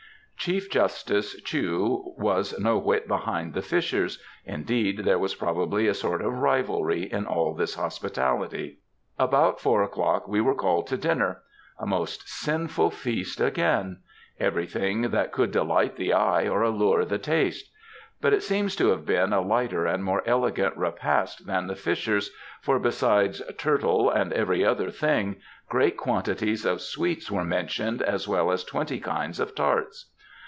" Chief Justice Chew was no whit behind the Fishers ŌĆö indeed there was probably a sort of rivalry in all this hospitality. " About four o'clock we were called to dinner. A most sinful feast again ! Every thing that could delight the eye or allure the taste.'' But it seems to have been a lighter and more elegant repast than the Fishers', for besides ^Hiurtle and every other thing," great quantities of sweets were mentioned, as well as twenty kinds of tarts.